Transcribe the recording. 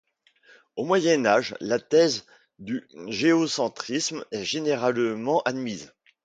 Au Moyen Âge, la thèse du géocentrisme est généralement admise.